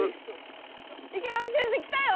池上先生来たよ！